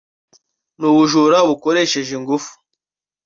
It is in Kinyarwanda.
n’ubujura bukoresheje ingufu